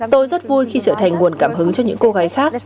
tôi rất vui khi trở thành nguồn cảm hứng cho những cô gái khác